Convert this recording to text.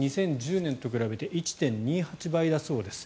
２０１０年と比べて１．２８倍だそうです。